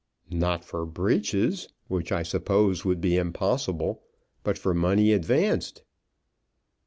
"Not for breeches, which I suppose would be impossible, but for money advanced."